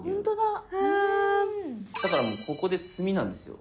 だからここで詰みなんですよ。